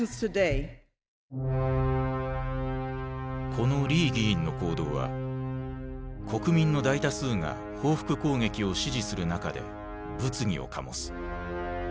このリー議員の行動は国民の大多数が報復攻撃を支持する中で物議を醸す。